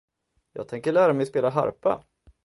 Jag tänker lära mig spela harpa!